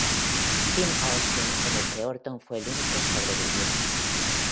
Team Austin en el que Orton fue el único sobreviviente.